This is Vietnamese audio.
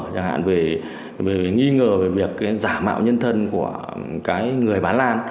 chẳng hạn về nghi ngờ về việc giả mạo nhân thân của cái người bán lan